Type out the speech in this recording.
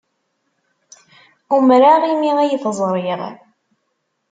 Umreɣ imi ay t-ẓriɣ.